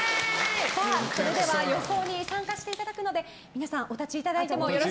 それでは予想に参加していただくので皆さん、お立ちください。